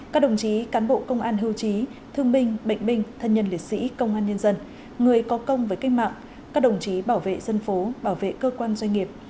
các đồng chí cán bộ công an hưu trí thương binh bệnh binh thân nhân liệt sĩ công an nhân dân người có công với cách mạng các đồng chí bảo vệ dân phố bảo vệ cơ quan doanh nghiệp